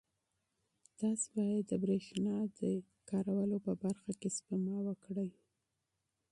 تاسو باید د برېښنا د مصرف په برخه کې سپما وکړئ.